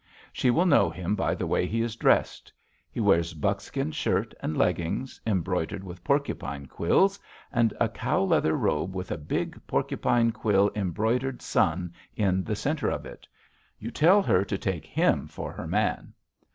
She will know him by the way he is dressed. He wears buckskin shirt and leggings, embroidered with porcupine quills, and a cow leather robe with a big porcupine quill embroidered sun in the center of it. You tell her to take him for her man!'